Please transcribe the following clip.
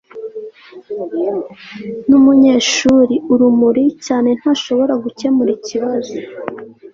numunyeshuri urumuri cyane ntashobora gukemura ikibazo